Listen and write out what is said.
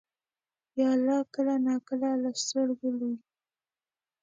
پیاله کله نا کله له سترګو لوېږي.